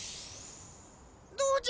どうじゃ？